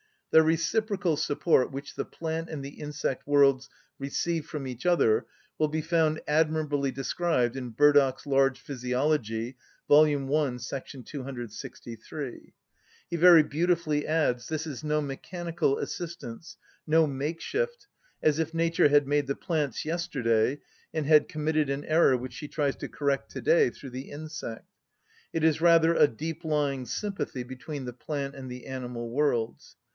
The reciprocal support which the plant and the insect worlds receive from each other will be found admirably described in Burdach's large Physiology, vol. i. § 263. He very beautifully adds: "This is no mechanical assistance, no make‐shift, as if nature had made the plants yesterday, and had committed an error which she tries to correct to‐day through the insect; it is rather a deep‐lying sympathy between the plant and the animal worlds.